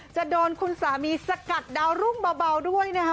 จะโดนคุณสามีสกัดดาวรุ่งเบาด้วยนะคะ